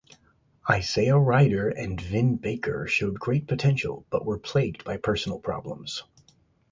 Isaiah Rider and Vin Baker showed great potential but were plagued by personal problems.